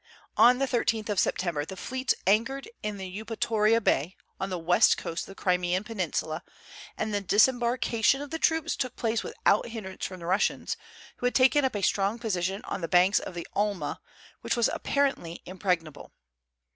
On the 13th of September the fleets anchored in Eupatoria Bay, on the west coast of the Crimean peninsula, and the disembarkation of the troops took place without hindrance from the Russians, who had taken up a strong position on the banks of the Alma, which was apparently impregnable.